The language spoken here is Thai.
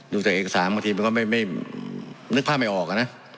ดูจากเอกสารบางทีมันก็ไม่นึกภาพไม่ออกอะนะ